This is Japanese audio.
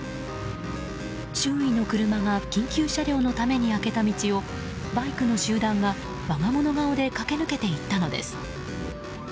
周囲の車が緊急車両のために開けた道をバイクの集団が我が物顔で駆け抜けていったのです。